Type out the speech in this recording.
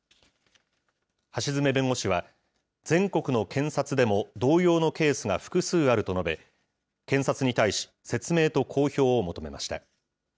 橋詰弁護士は、全国の検察でも同様のケースが複数あると述べ、検察に対し説明と公表を求めました。